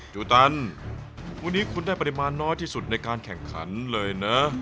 จูตันวันนี้คุณได้ปริมาณน้อยที่สุดในการแข่งขันเลยนะ